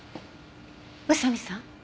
宇佐見さん？